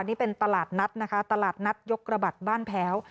นี่เป็นตลาดนัดนะคะตลาดนัดยกระบัดบ้านแพ้ว